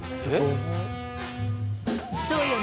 そうよね？